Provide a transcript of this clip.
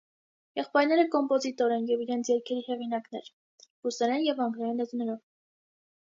Եղբայրները կոմպոզիտորներ են և իրենց երգերի հեղինակներ (ռուսերեն և անգլերեն լեզուներով)։